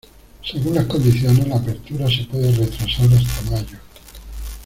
Según las condiciones, la apertura se puede retrasar hasta mayo.